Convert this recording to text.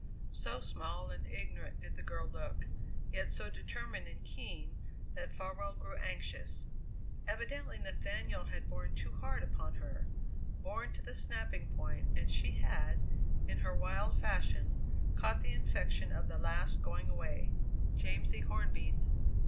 So small and ignorant did the girl look, yet so determined and keen, that Farwell grew anxious. Evidently Nathaniel had borne too hard upon her, borne to the snapping point, and she had, in her wild fashion, caught the infection of the last going away Jamsie Hornby's.